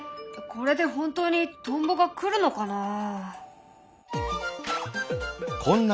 これで本当にトンボが来るのかな？